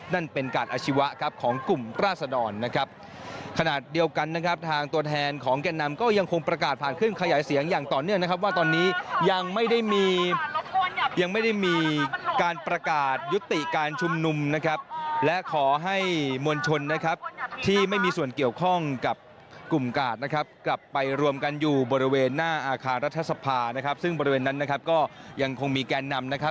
นั่นเป็นกลาดอาชีวะครับของกลุ่มราชดอนนะครับขนาดเดียวกันนะครับทางตัวแทนของการนำก็ยังคงประกาศผ่านขึ้นขยายเสียงอย่างต่อเนื่องนะครับว่าตอนนี้ยังไม่ได้มียังไม่ได้มีการประกาศยุติการชุมนุมนะครับและขอให้มวลชนนะครับที่ไม่มีส่วนเกี่ยวข้องกับกลุ่มกลาดนะครับกลับไปรวมกันอยู่บริเวณ